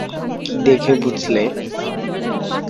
কী দেখে বুঝলে?